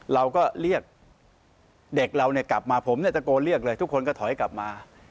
เราก็เรียกเด็กเราเนี่ยกลับมาผมเนี่ยตะโกนเรียกเลยทุกคนก็ถอยกลับมา